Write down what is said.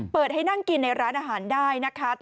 เปิดให้นั่งกินในร้านอาหารได้นะคะ